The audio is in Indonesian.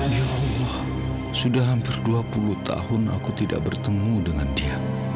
ya allah sudah hampir dua puluh tahun aku tidak bertemu dengan dia